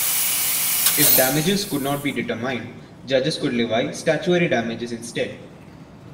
If damages could not be determined, judges could levy statutory damages instead.